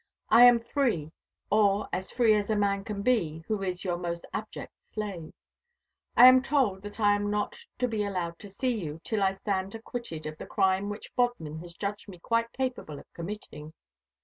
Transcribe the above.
I am free, or as free as a man can be who is your most abject slave. I am told that I am not to be allowed to see you till I stand acquitted of the crime which Bodmin has judged me quite capable of committing.